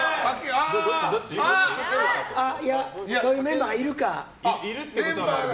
そういうメンバーがいるか。